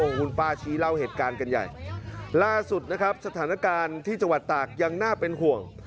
คุณป้าชี้เล่าเหตุการณ์กันใหญ่ล่าสุดนะครับสถานการณ์ที่จังหวัดตากยังน่าเป็นห่วง